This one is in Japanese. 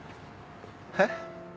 えっ？